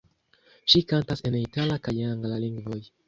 Ŝi kantas en itala kaj angla lingvoj.